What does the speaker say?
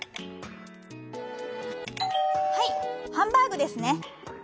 「はいハンバーグですね」。